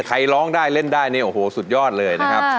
ร้องได้เล่นได้เนี่ยโอ้โหสุดยอดเลยนะครับ